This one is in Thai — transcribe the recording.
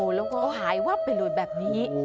โหแล้วก็หายว่าเป็นลูกแบบนี้